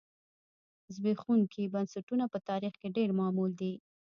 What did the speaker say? زبېښونکي بنسټونه په تاریخ کې ډېر معمول دي